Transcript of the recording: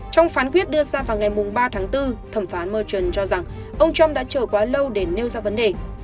trong phán quyết đưa ra vào ngày ba tháng bốn thẩm phán murchon cho rằng ông trump đã chờ quá lâu để nêu ra vấn đề